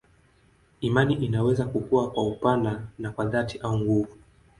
Imani inaweza kukua kwa upana na kwa dhati au nguvu.